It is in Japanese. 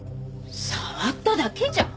触っただけじゃん。